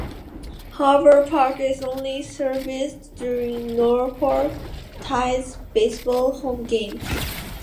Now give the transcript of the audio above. Harbor Park is only serviced during Norfolk "Tides" baseball home games.